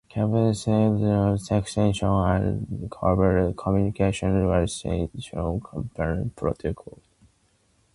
Kleptography encompasses secure and covert communications through cryptosystems and cryptographic protocols.